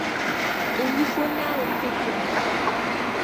N yiko naai ya ka chε ma.